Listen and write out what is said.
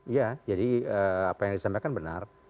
iya jadi apa yang disampaikan benar